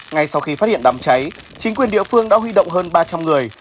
ngay sau khi phát hiện đám cháy chính quyền địa phương đã huy động hơn ba trăm linh người